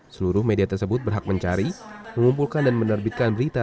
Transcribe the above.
seluruh media tersebut berhak mencari mengumpulkan dan menerbitkan berita